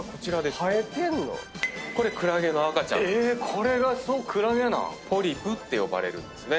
これがクラゲなん⁉ポリプって呼ばれるんですね。